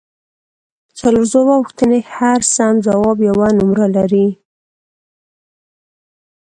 څلور ځوابه پوښتنې هر سم ځواب یوه نمره لري